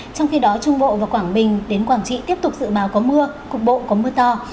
trong khi đó trung bộ và quảng bình đến quảng trị tiếp tục dự báo có mưa cục bộ có mưa to